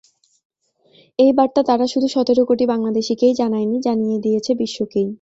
এই বার্তা তারা শুধু সতেরো কোটি বাংলাদেশিকেই জানায়নি, জানিয়ে দিয়েছে বিশ্বকেই।